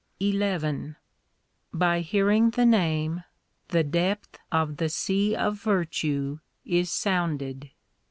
XI By hearing the Name, the depth of the sea of virtue is sounded.